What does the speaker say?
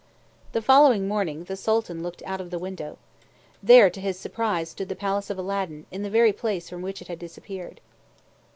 The following morning, the Sultan looked out of the window. There, to his surprise, stood the palace of Aladdin, in the very place from which it had disappeared.